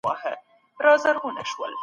ته مه وایه چي زه کتاب نه لولم.